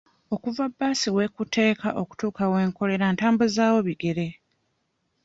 Okuva bbaasi w'ekuteeka okutuuka we nkolera ntambuzaawo bigere.